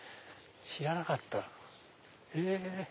知らなかった。